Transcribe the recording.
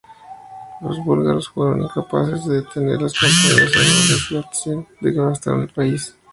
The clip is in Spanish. Los búlgaros fueron incapaces de detener las campañas anuales bizantinas que devastaron el país.